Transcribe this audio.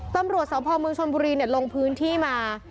ตำรวจสพเมืองชนบุรีลงพื้นที่มา